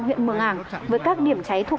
huyện mường hàng với các điểm cháy thuộc